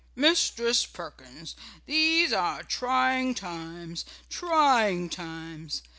"Mistress Perkins, these are trying times, trying times.